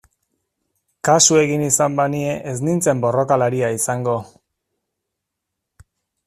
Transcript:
Kasu egin izan banie ez nintzen borrokalaria izango...